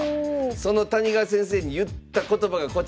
その谷川先生に言った言葉がこちら。